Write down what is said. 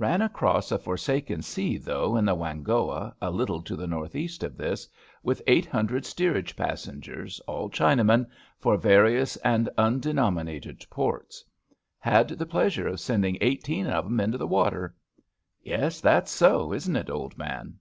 Ean across a for saken sea, though, in the Whanghoa, a little to the northeast of this, with eight hundred steerage pas EEASTASIUS OF THE WHANGHOA 7 sengers, all Chinamen, for various and iindenom inated ports. Had the pleasure of sending eighteen of 'em into the water. Yes, that's so, isn't it, old man?